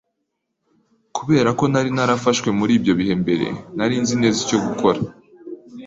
Kubera ko nari narafashwe muri ibyo bihe mbere, nari nzi neza icyo gukora.